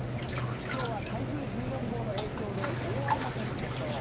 きょうは台風１４号の影響で、大荒れの天気でしょう。